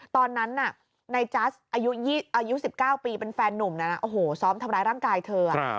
ตอนนั้นน่ะในจัสอายุ๑๙ปีเป็นแฟนนุ่มนั้นโอ้โหซ้อมทำร้ายร่างกายเธอ